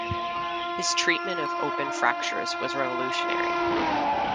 His treatment of open fractures was revolutionary.